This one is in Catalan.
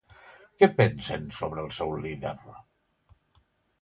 Què pensen sobre el seu líder?